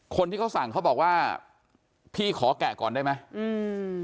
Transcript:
คนที่เขาสั่งเขาบอกว่าพี่ขอแกะก่อนได้ไหมอืม